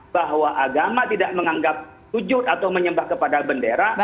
bahwa agama tidak menganggap sujud atau menyembah kepada bendera